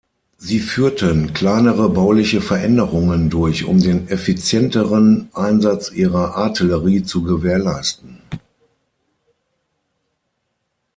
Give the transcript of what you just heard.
Sie führten kleinere bauliche Veränderungen durch, um den effizienteren Einsatz ihrer Artillerie zu gewährleisten.